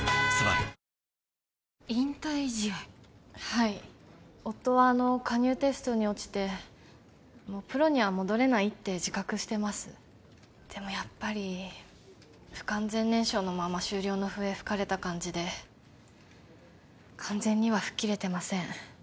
はい夫はあの加入テストに落ちてもうプロには戻れないって自覚してますでもやっぱり不完全燃焼のまま終了の笛吹かれた感じで完全には吹っ切れてません